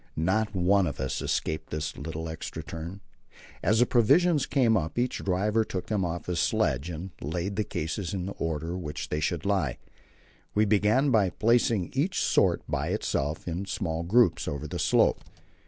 Not one of us escaped this little extra turn. As the provisions came up each driver took them off his sledge, and laid the cases in the order in which they should lie. We began by placing each sort by itself in small groups over the slope.